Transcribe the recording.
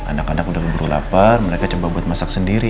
anak anak udah berburu lapar mereka coba buat masak sendiri